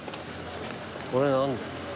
これ何だ？